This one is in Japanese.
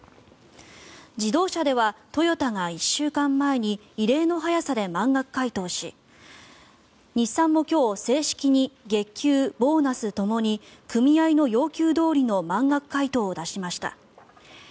自動車ではトヨタが１週間前に異例の早さで満額回答し日産も今日正式に月給、ボーナスともに組合の要求どおりの満額回答を出しました。